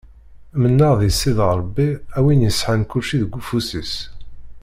Menneɣ di Sidi Ṛebbi a wi yesɛan kulci deg ufus-is.